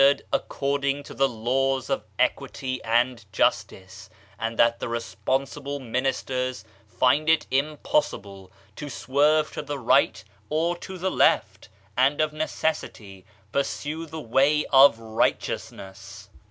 22 Digitized by Google OF CIVILIZATION according to the laws of equity and justice, and that the responsible ministers find it impossible to swerve to the right or to the left, and of necessity pursue the way of righteousness.